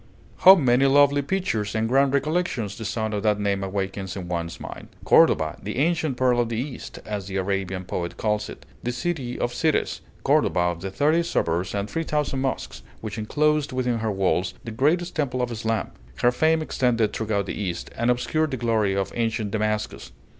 How many lovely pictures and grand recollections the sound of that name awakens in one's mind! Cordova, the ancient pearl of the East, as the Arabian poets call it, the city of cities; Cordova of the thirty suburbs and three thousand mosques, which inclosed within her walls the greatest temple of Islam! Her fame extended throughout the East, and obscured the glory of ancient Damascus.